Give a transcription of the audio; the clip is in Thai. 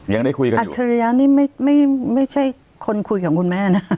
ยังได้คุยกันอัจฉริยะนี่ไม่ใช่คนคุยกับคุณแม่นะ